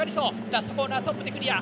ラストコーナートップでクリア。